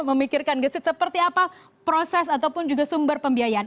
memikirkan gesit seperti apa proses ataupun juga sumber pembiayaan